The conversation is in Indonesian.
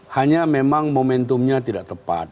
hanya memang momentumnya tidak tepat